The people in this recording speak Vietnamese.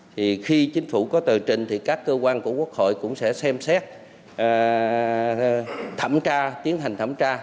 thì khi chính phủ có tờ trình thì các cơ quan của quốc hội cũng sẽ xem xét thẩm tra tiến hành thẩm tra